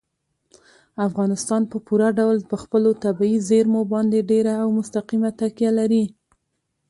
افغانستان په پوره ډول په خپلو طبیعي زیرمو باندې ډېره او مستقیمه تکیه لري.